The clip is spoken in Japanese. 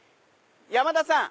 山田さん。